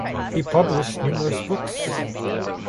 He published numerous books.